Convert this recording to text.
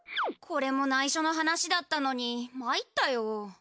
これもないしょの話だったのにまいったよ。